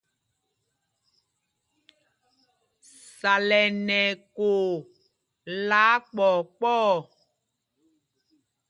Sal ɛ nɛ ɛkoo lɛ́ akpɔɔ kpɔɔ.